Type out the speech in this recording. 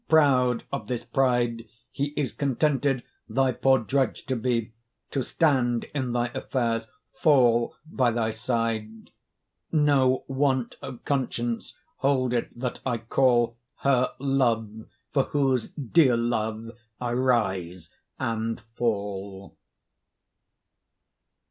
Proud of this pride, He is contented thy poor drudge to be, To stand in thy affairs, fall by thy side. No want of conscience hold it that I call Her 'love,' for whose dear love I rise and fall.